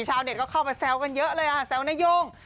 ชาวเน็ตก็เข้ามาแซวกันเยอะเลยค่ะแซวนาย่ง